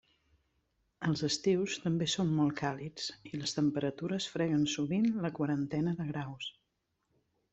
Els estius també són molt càlids i les temperatures freguen sovint la quarantena de graus.